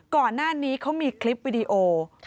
ก่อนหน้านี้เขามีคลิปวิดีโอ